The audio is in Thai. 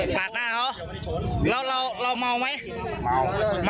ปาดหน้าเขาแล้วเราเมาไหมเมา